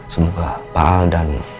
semoga pak al dan